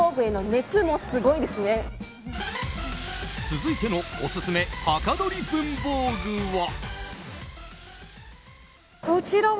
続いてのオススメはかどり文房具は。